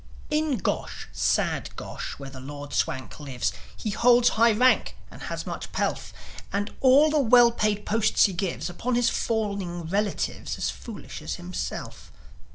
In Gosh, sad Gosh, where the Lord Swank lives, He holds high rank, and he has much pelf; And all the well paid posts he gives Unto his fawning relatives, As foolish as himself.